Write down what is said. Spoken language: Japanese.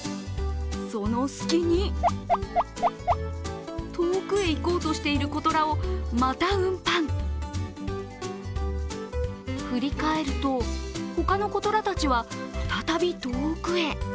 その隙に遠くへ行こうとしている子虎をまた運搬、振り返ると他の子トラたちは、再び遠くへ。